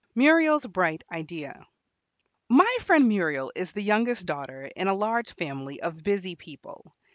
MURIEL'S BRIGHT IDEA My friend Muriel is the youngest daughter in a large family of busy people.